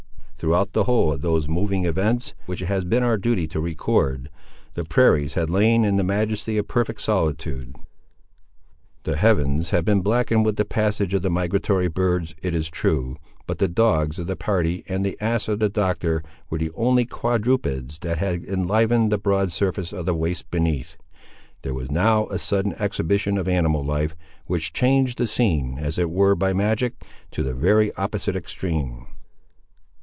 Throughout the whole of those moving events, which it has been our duty to record, the prairies had lain in the majesty of perfect solitude. The heavens had been blackened with the passage of the migratory birds, it is true, but the dogs of the party, and the ass of the doctor, were the only quadrupeds that had enlivened the broad surface of the waste beneath. There was now a sudden exhibition of animal life, which changed the scene, as it were, by magic, to the very opposite extreme.